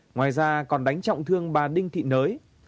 ngoài ra còn đánh trọng thương bà đinh thị nới